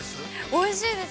◆おいしいです。